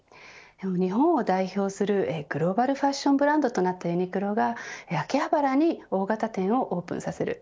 日本を代表するグローバルファッションブランドとなっとユニクロが秋葉原に大型店をオープンさせる。